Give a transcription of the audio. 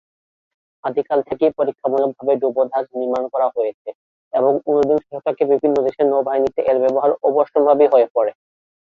আদিকাল থেকেই পরীক্ষামূলকভাবে ডুবোজাহাজ নির্মাণ করা হয়েছে এবং ঊনবিংশ শতকে বিভিন্ন দেশের নৌবাহিনীতে এর ব্যবহার অবশ্যম্ভাবী হয়ে পড়ে।